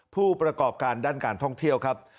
ผู้ประกอบการด้านการท่องเที่ยวครับ